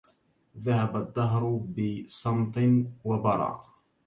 ذهب الدهر بسمط وبرا